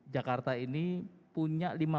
jakarta ini punya